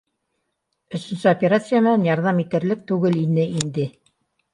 Өсөнсө операция менән ярҙам итерлек түгел ине инде